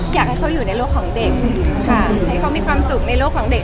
อยากให้เขาอยู่ในโลกของเด็กค่ะให้เขามีความสุขในโลกของเด็ก